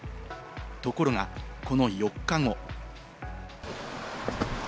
ところがこの４日後。